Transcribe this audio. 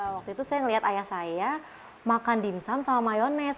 waktu itu saya melihat ayah saya makan dimsum sama mayonese